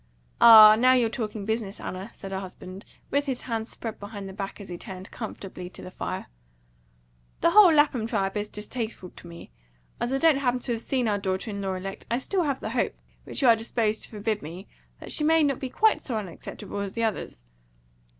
"Ah, now you're talking business, Anna," said her husband, with his hands spread behind the back he turned comfortably to the fire. "The whole Lapham tribe is distasteful to me. As I don't happen to have seen our daughter in law elect, I have still the hope which you're disposed to forbid me that she may not be quite so unacceptable as the others."